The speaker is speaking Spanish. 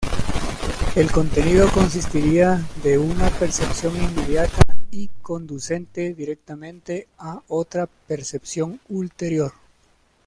El contenido consistiría de "una percepción inmediata y conducente directamente a otra percepción ulterior".